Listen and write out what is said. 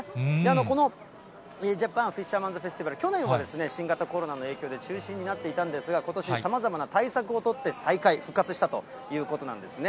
このジャパンフィッシャーマンズフェスティバル、去年は新型コロナの影響で中止になっていたんですが、ことしさまざまな対策を取って再開、復活したということなんですね。